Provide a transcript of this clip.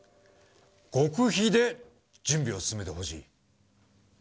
極秘で準備を進めてほしい。